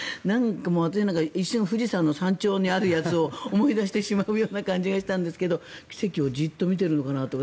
私なんか一瞬富士山の山頂にあるやつを思い出してしまうような感じがしたんですが奇跡をじっと見てるのかなとか。